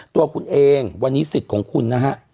ตัวคุณเองวันนี้สิทธิ์ของคุณนะฮะ